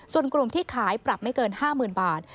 ส่วนกลุ่มที่ขายปรับไม่เกิน๕๐๐๐บาท